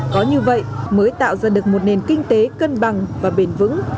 có như vậy mới tạo ra được một nền kinh tế cân bằng và bền vững